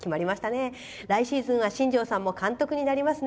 来シーズンは新庄さんも監督になりますね。